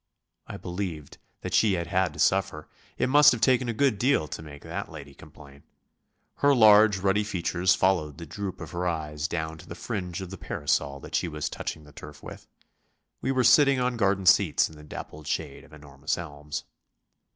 I believed that she had had to suffer; it must have taken a good deal to make that lady complain. Her large, ruddy features followed the droop of her eyes down to the fringe of the parasol that she was touching the turf with. We were sitting on garden seats in the dappled shade of enormous elms.